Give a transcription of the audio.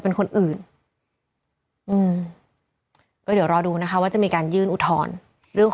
เป็นคนอื่นอืมก็เดี๋ยวรอดูนะคะว่าจะมีการยื่นอุทธรณ์เรื่องของ